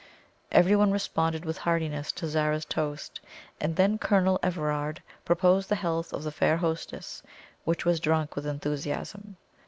Everyone responded with heartiness to Zara's toast and then Colonel Everard proposed the health of the fair hostess, which was drunk with enthusiasm.